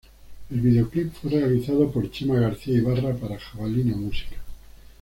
El videoclip fue realizado por Chema García Ibarra para Jabalina Música.